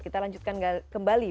kita lanjutkan kembali